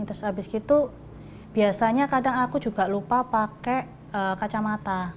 terus habis gitu biasanya kadang aku juga lupa pakai kacamata